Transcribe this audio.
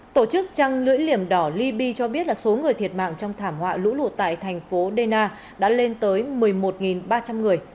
tổ chức trăng lưỡi liềm đỏ liby cho biết là số người thiệt mạng trong thảm họa lũ lụt tại thành phố dena đã lên tới một mươi một ba trăm linh người